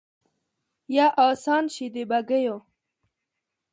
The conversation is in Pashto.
یا آسان شي د بګیو